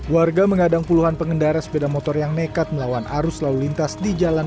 warga mengadang puluhan pengendara sepeda motor yang nekat melawan arus lalu lintas di jalan